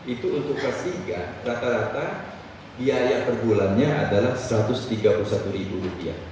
itu untuk kelas tiga rata rata biaya per bulannya adalah rp satu ratus tiga puluh satu